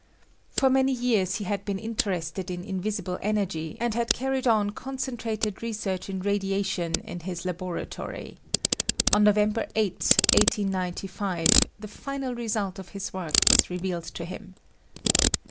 For many years he had been interested in invisible energy and had carried on concentrated research in radiation in his laboratory. On November 8, 1895, the final result of his work was revealed to him.